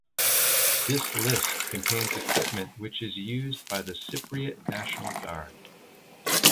This list contains equipment which is in use by the Cypriot National Guard.